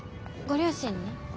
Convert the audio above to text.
ご両親に？